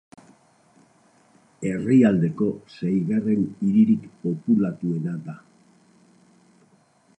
Herrialdeko seigarren hiririk populatuena da.